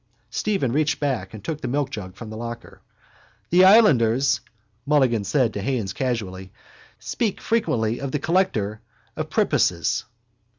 Stephen reached back and took the milkjug from the locker. —The islanders, Mulligan said to Haines casually, speak frequently of the collector of prepuces.